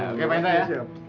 oke pak indra ya